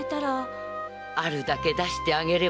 あるだけ出してあげればよろしい。